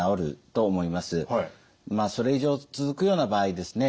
それ以上続くような場合ですね